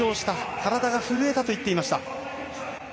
体が震えたと言っていました。